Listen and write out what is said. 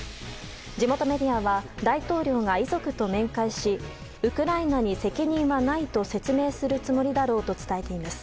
地元メディアは大統領が遺族と面会しウクライナに責任はないと説明するつもりだろうとしています。